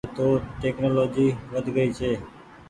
اٻي تو ٽيڪنولآجي ود گئي ڇي۔